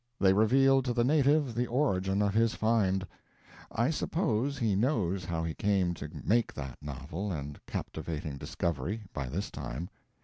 They reveal to the native the origin of his find. I suppose he knows how he came to make that novel and captivating discovery, by this time.